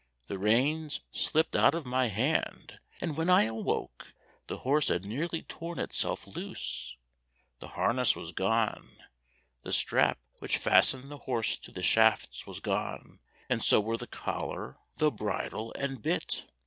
The reins slipped out of my hand, and when I awoke, the horse had nearly torn itself loose, the harness was gone, the strap which fastened the horse to the shafts was gone, and so were the collar, the bridle and bit.